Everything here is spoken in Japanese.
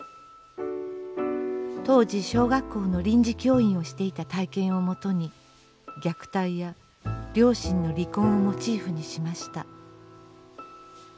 当時小学校の臨時教員をしていた体験をもとに虐待や両親の離婚をモチーフにしました。